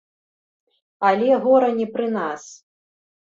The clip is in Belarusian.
Але, гора, не пры нас.